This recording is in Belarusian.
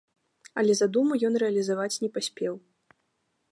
Але задуму ён рэалізаваць не паспеў.